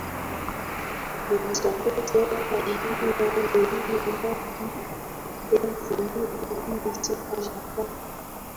elizabeth aliaga dunia mwaka elfu moja mia sita na tatu